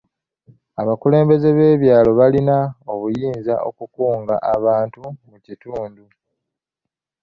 Abakulembeze b'ebyalo balina obuyinza okukunga abantu mu kitundu.